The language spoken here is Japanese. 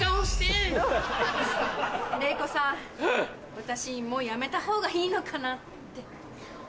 私もう辞めた方がいいのかなって。